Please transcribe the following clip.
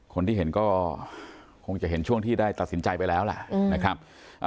คนที่เห็นก็คงจะเห็นช่วงที่ได้ตัดสินใจไปแล้วแหละนะครับ